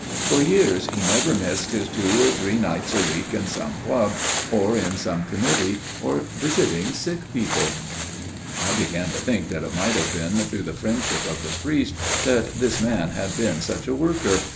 For years he never missed his two or three nights a week in some club, or on some committee, or visiting sick people." I began to think that it might have been through the friendship of the priest that this man had been such a worker.